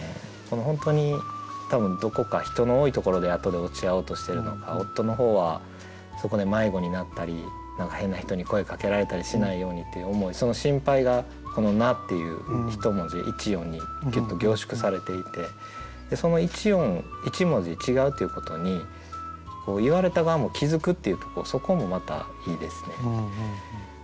本当に多分どこか人の多いところであとで落ち合おうとしてるのか夫の方はそこで迷子になったり何か変な人に声かけられたりしないようにっていう思いその心配がこの「な」っていう１文字１音にギュッと凝縮されていてその１音１文字違うっていうことに言われた側も気付くっていうとこそこもまたいいですね。